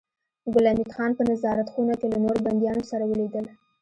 ګل حمید خان په نظارت خونه کې له نورو بنديانو سره ولیدل